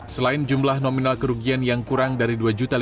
selain jumlah nominal kerugian yang kurang dari dua lima ratus